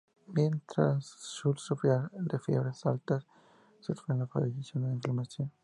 Mientras Sells sufría de fiebres altas, su hermana falleció de una inflamación.